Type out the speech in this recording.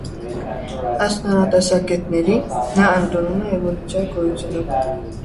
Ըստ նրա տեսակետների՝ նա ընդունում է էվոլյուցիայի գոյությունը։